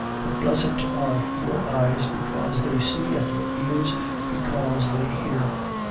13:16. But blessed are your eyes, because they see, and your ears, because they hear.